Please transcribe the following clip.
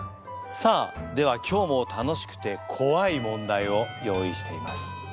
さあでは今日も楽しくてこわい問題を用意しています。